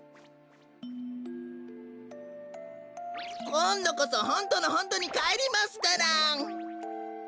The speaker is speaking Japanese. こんどこそホントのホントにかえりますから。